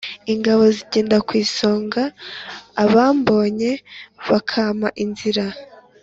Ingabo nzigenda ku isonga abambonye bakampa inzira